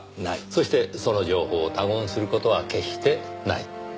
そしてその情報を他言する事は決してない。